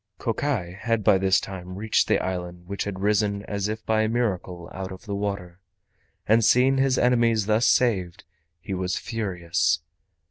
Kokai had by this time reached the island which had risen as if by a miracle out of the water, and seeing his enemies thus saved he was furious.